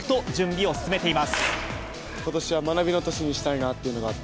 ことしは学びの年にしたいなというのがあって。